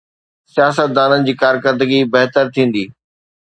سياستدانن جي ڪارڪردگي بهتر ٿيندي.